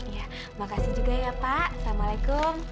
ya makasih juga ya pak assalamualaikum